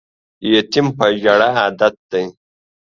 یتیم په ژړا عادت دی